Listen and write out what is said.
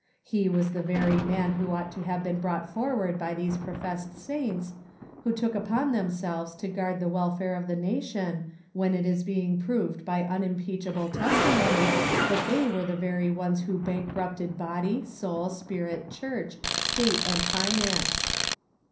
He was the very man who ought to have been brought forward by these professed saints, who took upon themselves to guard the welfare of the nation, when it is being proved by un impeachable testimony that tliey were the very ones who bankrupted body, soul, spirit, church, state and finance.